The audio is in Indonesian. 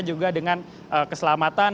juga dengan keselamatan